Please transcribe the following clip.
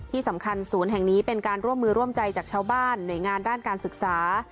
ที่สำคัญศูนย์แห่งนี้เป็นการร่วมมือร่วมใจจากชาวบ้านหน่วยงานด้านการศึกษา